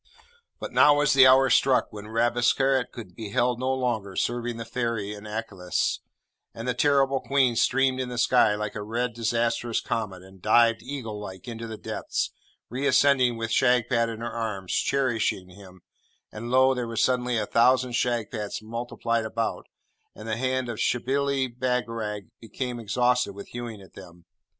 But now was the hour struck when Rabesqurat could be held no longer serving the ferry in Aklis; and the terrible Queen streamed in the sky, like a red disastrous comet, and dived, eagle like, into the depths, re ascending with Shagpat in her arms, cherishing him; and lo, there were suddenly a thousand Shagpats multiplied about, and the hand of Shibli Bagarag became exhausted with hewing at them.